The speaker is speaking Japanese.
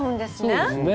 そうですね。